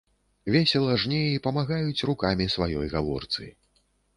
Весела жнеі памагаюць рукамі сваёй гаворцы.